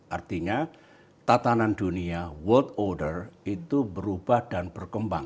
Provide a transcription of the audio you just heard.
artinya tatanan dunia world order itu berubah dan berkembang